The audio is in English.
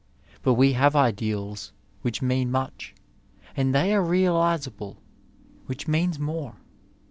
But we have ideals, which mean much, and they are realizable, which means more.